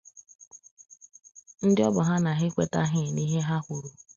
ndị ọ bụ ha na ha ekwetaghị n'ihe ha kwuru